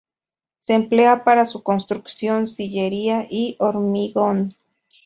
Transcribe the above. Se emplea para su construcción sillería y hormigón.